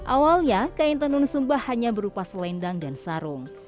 awalnya kain tenun sumba hanya berupa selendang dan sarung